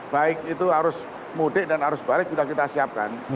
baik itu arus mudik dan arus balik sudah kita siapkan